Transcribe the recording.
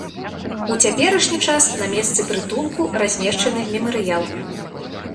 У цяперашні час на месцы прытулку размешчаны мемарыял.